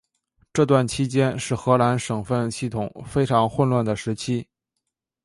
这段期间是荷兰省分系统非常混乱的时期。